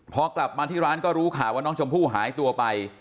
พอกลับมาที่ร้านก็รู้ข่าวว่าน้องชมพู่หายตัวไป